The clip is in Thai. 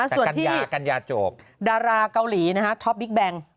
ส่วนที่ดาราเกาหลีท็อปบิ๊กแบงค์